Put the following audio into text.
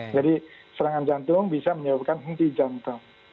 serangan jantung bisa menyebabkan henti jantung